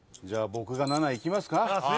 じゃあ僕が７いきますか。